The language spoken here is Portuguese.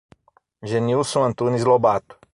Genilson Antunes Lobato